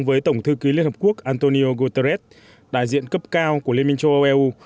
với tổng thư ký liên hợp quốc antonio guterres đại diện cấp cao của liên minh châu âu eu